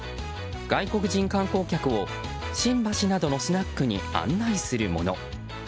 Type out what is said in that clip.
外国人観光客を新橋などのスナックに案内するもの。